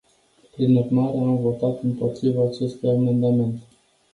Prin urmare, am votat împotriva acestui amendament.